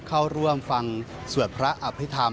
เข้าร่วมฟังสวดพระอภิษฐรรม